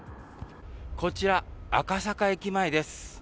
こちら赤坂駅前です。